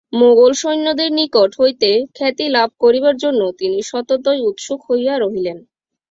মোগলসৈন্যদের নিকট হইতে খ্যাতি লাভ করিবার জন্য তিনি সততই উৎসুক হইয়া রহিলেন।